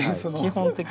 基本的に。